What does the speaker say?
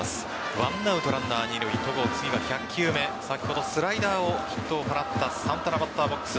１アウトランナー二塁戸郷、１００球目先ほどスライダーをヒットを放ったサンタナ、バッターボックス。